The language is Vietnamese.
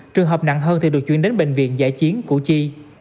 trường hợp nặng hơn thì được chuyển đến bệnh viện giải chiến củ chi